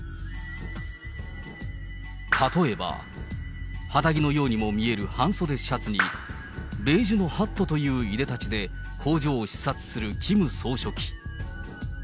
例えば、肌着のようにも見える半袖シャツにベージュのハットといういでたちで、工場を視察するキム総書記。